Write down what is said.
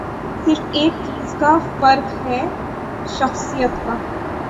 صرف ایک چیز کا فرق ہے، شخصیت کا۔